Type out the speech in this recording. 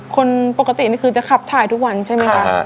คนปกตินี่คือจะขับถ่ายทุกวันใช่ไหมคะ